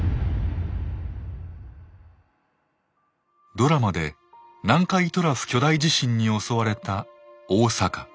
ドラマで南海トラフ巨大地震に襲われた大阪。